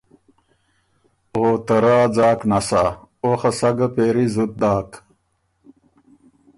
او ته رۀ ا ځاک نسا، او خه سَۀ ګه پېری زُت داک۔